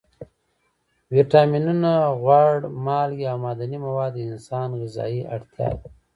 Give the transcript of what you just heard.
ویټامینونه، غوړ، مالګې او معدني مواد د انسان غذایي اړتیا ده.